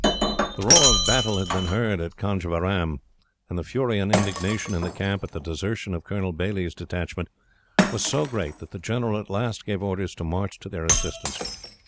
"The roar of battle had been heard at Conjeveram, and the fury and indignation in the camp, at the desertion of Colonel Baillie's detachment, was so great that the general at last gave orders to march to their assistance.